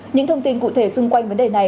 những thông tin cụ thể xung quanh vấn đề này